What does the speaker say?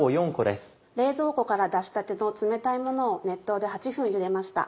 冷蔵庫から出したての冷たいものを熱湯で８分ゆでました。